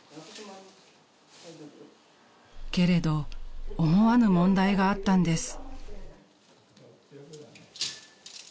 ［けれど思わぬ問題があったんです］